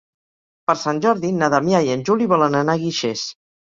Per Sant Jordi na Damià i en Juli volen anar a Guixers.